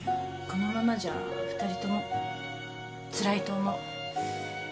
このままじゃ２人ともつらいと思う。